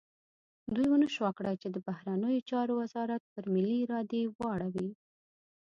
دوی ونه شو کړای چې د بهرنیو چارو وزارت پر ملي ارادې واړوي.